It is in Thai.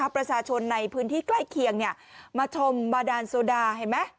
ประชาชนในพื้นที่ใกล้เคียงมาชมบาดานโซดาเห็นไหม